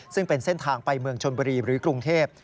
ซึ่งเป็นเส้นทางไปเมืองชนบุรีหรือกรุงเทพ